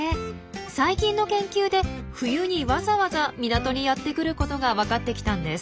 最近の研究で冬にわざわざ港にやってくることがわかってきたんです。